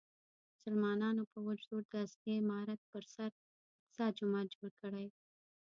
مسلمانانو په وچ زور د اصلي عمارت پر سر اقصی جومات جوړ کړی.